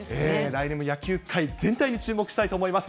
来年も野球界全体に注目したいと思います。